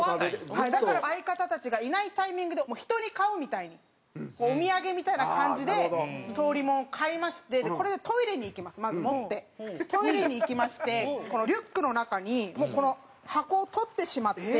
だから相方たちがいないタイミングで人に買うみたいにお土産みたいな感じで通りもんを買いましてこれでトイレに行きましてリュックの中にもうこの箱を取ってしまって。